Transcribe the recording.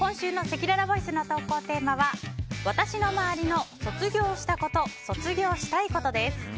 今週のせきららボイスの投稿テーマは私のまわりの卒業したこと卒業したいことです。